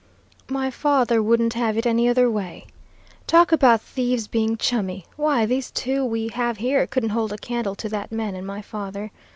My father wouldn't have it any other way. Talk about thieves being chummy; why, these two we have here couldn't hold a candle to that man and my father.